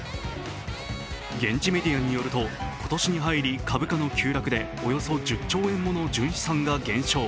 現地メディアによると今年に入り株価の急落でおよそ１０兆円もの純資産が減少。